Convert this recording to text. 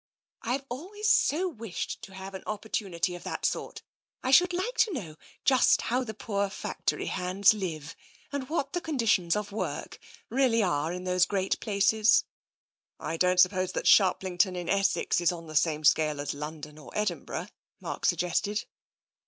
" Tve always so wished to have an opportimity of 58 TENSION that sort. I should like to know just how the poor factory hands live, and what the conditions of work really are in those great places/' " I don't suppose that Sharplington in Essex is on the same scale as London or Edinburgh," Mark sug gested.